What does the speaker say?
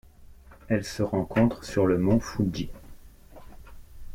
Elle se rencontre sur le mont Fuji.